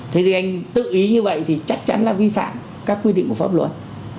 thế thì anh tự ý như vậy thì chắc chắn là vi phạm các quy định của pháp luật